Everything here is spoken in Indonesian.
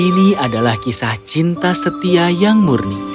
ini adalah kisah cinta setia yang murni